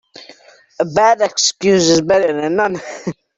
A bad excuse is better then none.